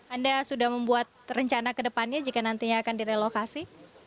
anda sudah membuat rencana ke depannya jika nantinya akan direlokasi